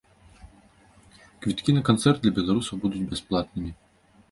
Квіткі на канцэрт для беларусаў будуць бясплатнымі.